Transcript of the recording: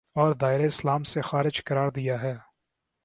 اور دائرۂ اسلام سے خارج قرار دیا ہے